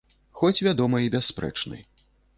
Хоць, вядома, і бясспрэчны.